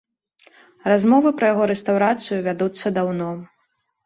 Размовы пра яго рэстаўрацыю вядуцца даўно.